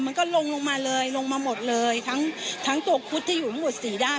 มันก็ลงลงมาเลยลงมาหมดเลยทั้งตัวพุธที่อยู่หมด๔ด้าน